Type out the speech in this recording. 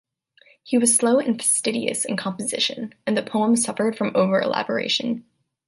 He was slow and fastidious in composition, and the poem suffered from overelaboration.